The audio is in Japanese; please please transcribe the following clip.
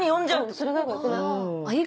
それがよくない？